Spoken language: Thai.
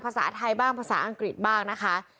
ภาษาไทยบ้างภาษาอังกฤษบ้างนะคะ